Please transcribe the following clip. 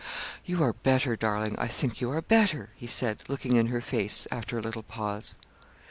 'You are better, darling; I think you are better,' he said, looking in her face, after a little pause.